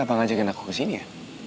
ya aku pengen ngajakin kamu ke sini ya